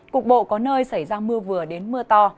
cục bộ có nơi xảy ra mưa vừa đến mưa to